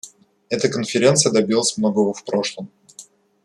Эта Конференция добилась многого в прошлом.